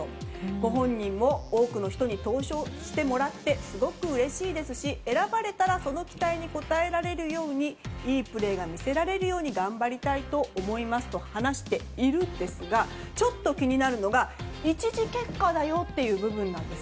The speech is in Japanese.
ご本人も多くの人に投票してもらってすごくうれしいですし選ばれたらその期待に応えられるようにいいプレーが見せられるように頑張りたいと思いますと話しているんですがちょっと気になるのが１次結果だよという部分です。